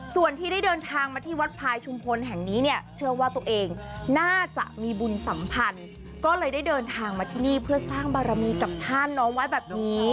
ส่วนที่ได้เดินทางมาที่วัดพายชุมพลแห่งนี้เนี่ยเชื่อว่าตัวเองน่าจะมีบุญสัมพันธ์ก็เลยได้เดินทางมาที่นี่เพื่อสร้างบารมีกับท่านน้องไว้แบบนี้